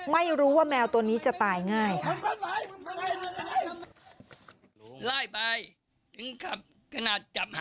ไม่รู้ว่าแมวตัวนี้จะตายง่าย